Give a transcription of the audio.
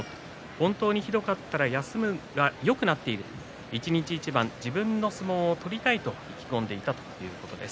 本当にひどくなったら休むがよくなっている、一日一番自分の相撲を取りたいと意気込んでいたということです。